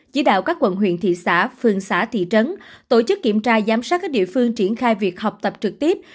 chỉ đạo các quận huyện thị xã phường xã thị trấn tổ chức kiểm tra giám sát các địa phương triển khai việc học tập trực tiếp